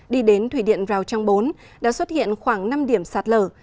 đi đến thủy điện rào trang bốn đã xuất hiện khoảng năm điểm sạt lở